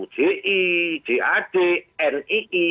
ji jad nii